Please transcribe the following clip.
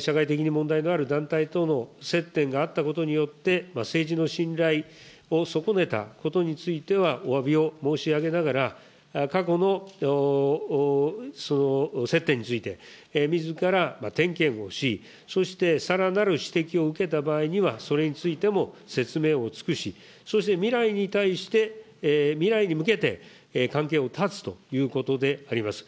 社会的に問題のある団体等の接点があったことによって、政治の信頼を損ねたことについてはおわびを申し上げながら、過去の接点について、みずから点検をし、そしてさらなる指摘を受けた場合には、それについても説明を尽くし、そして未来に対して、未来に向けて、関係を断つということであります。